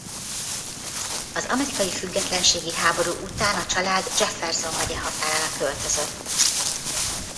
Az amerikai függetlenségi háború után a család Jefferson megye határára költözött.